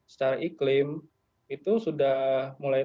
secara iklim itu sudah mulai